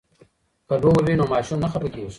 که لوبه وي نو ماشوم نه خفه کیږي.